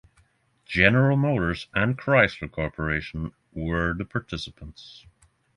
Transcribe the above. General Motors and Chrysler Corporation were the participants.